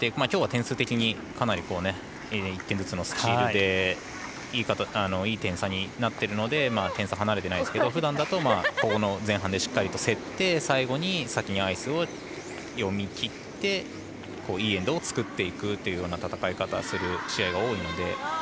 今日は点数的にかなり１点ずつのスチールでいい点差になってるので点差は離れてないですけどふだんだと、前半でしっかりと競って最後に先にアイスを読みきっていいエンドを作っていくという戦い方をする試合が多いので。